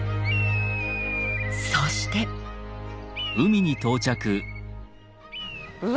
そしてうわ！